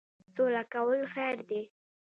سوله کول خیر دی